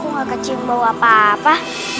aku gak kecil bau apa apa